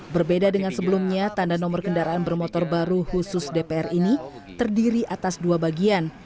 berbeda dengan sebelumnya tanda nomor kendaraan bermotor baru khusus dpr ini terdiri atas dua bagian